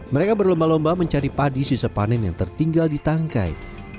mereka berlemba lemba mencari padi sisa panin yang tertinggal di tangkai